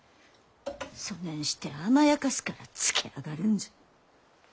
そねんして甘やかすからつけあがるんじゃ。